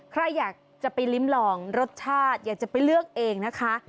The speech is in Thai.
ใครอยากจะไปลิ้มลองรสชาติอยากจะไปเลือกเองนะคะ